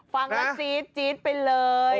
ฟังแล้วจี๊ดไปเลย